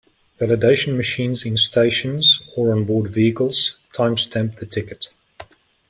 Validation machines in stations or on board vehicles time stamp the ticket.